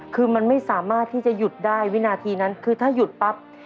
คือมันไม่สามารถที่จะหยุดได้วินาทีนั้นคือถ้าหยุดปั๊บ